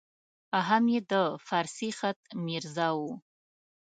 هم یې د فارسي خط میرزا وو.